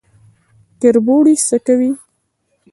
کربوړی څه کوي؟